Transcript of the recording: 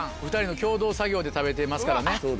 お２人の共同作業で食べてますからね。